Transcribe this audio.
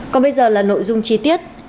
còn bây giờ là nội dung chi tiết